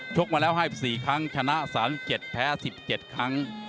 กมาแล้ว๕๔ครั้งชนะ๓๗แพ้๑๗ครั้ง